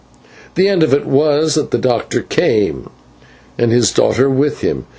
"The end of it was that the doctor came, and his daughter with him.